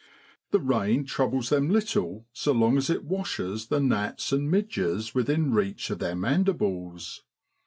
The rain troubles them little so long as it washes the gnats and midges within reach of their mandibles.